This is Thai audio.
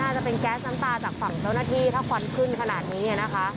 จะเป็นแก๊สน้ำตาจากฝั่งเจ้าหน้าที่ถ้าควันขึ้นขนาดนี้นะคะ